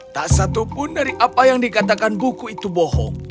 tak satupun dari apa yang dikatakan buku itu bohong